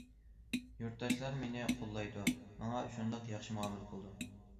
يۇرتداشلار مېنى قوللايدۇ، ماڭا شۇنداق ياخشى مۇئامىلە قىلىدۇ.